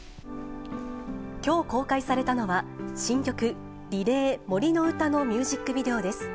きょう公開されたのは、新曲、Ｒｅｌａｙ杜の詩のミュージックビデオです。